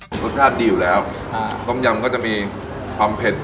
กลับมาสืบสาวเราเส้นที่ย่านบังคุณนอนเก็นต่อค่ะจะอร่อยเด็ดแค่ไหนให้เฮียเขาไปพิสูจน์กัน